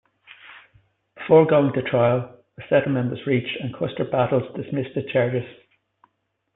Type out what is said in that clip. Before going to trial, a settlement was reached and Custer Battles dismissed the charges.